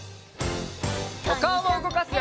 おかおもうごかすよ！